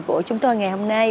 của chúng tôi ngày hôm nay